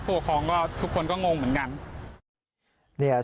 ผู้ปกครองก็ทุกคนก็งงเหมือนกัน